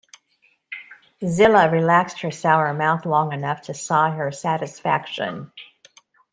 Zilla relaxed her sour mouth long enough to sigh her satisfaction.